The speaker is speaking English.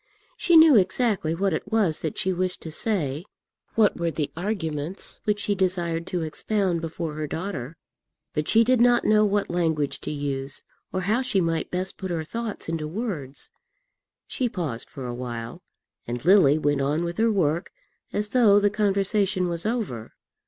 She knew exactly what it was that she wished to say, what were the arguments which she desired to expound before her daughter; but she did not know what language to use, or how she might best put her thoughts into words. She paused for a while, and Lily went on with her work as though the conversation was over.